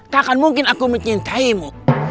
takkan mungkin aku mencintaimu